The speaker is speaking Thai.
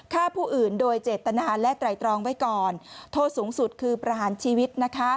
ฆ่าผู้อื่นโดยเจตนาและไตรตรองไว้ก่อนโทษสูงสุดคือประหารชีวิตนะคะ